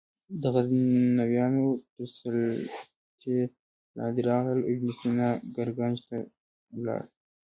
د غزنویانو تر سلطې لاندې راغلل ابن سینا ګرګانج ته ولاړ.